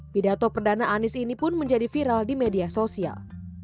pidato perdana anies ini pun menjadi viral di media sosial